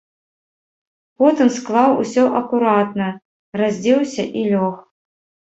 Потым склаў усё акуратна, раздзеўся і лёг.